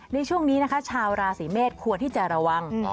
ในช่วงนี้นะคะชาวราศีเมษควรที่จะระวัง